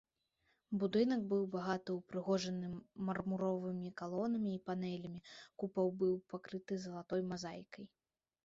Будынак быў багата ўпрыгожаны мармуровымі калонамі і панэлямі, купал быў пакрыты залатой мазаікай.